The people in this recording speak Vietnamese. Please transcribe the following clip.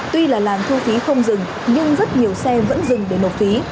tuy là làn thu phí không dừng nhưng rất nhiều xe vẫn dừng để nộp phí